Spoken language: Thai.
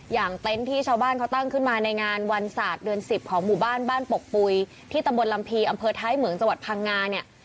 เต็นต์ที่ชาวบ้านเขาตั้งขึ้นมาในงานวันศาสตร์เดือน๑๐ของหมู่บ้านบ้านปกปุ๋ยที่ตำบลลำพีอำเภอท้ายเหมืองจังหวัดพังงาเนี่ย